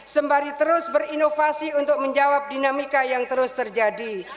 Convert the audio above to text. sembari terus berinovasi untuk menjawab dinamika yang terus terjadi